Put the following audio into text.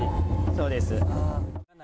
そうです。